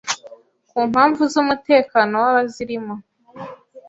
ku mpamvu z’umutekano w’abazirimo